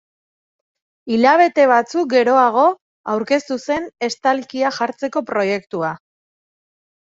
Hilabete batzuk geroago aurkeztu zen estalkia jartzeko proiektua.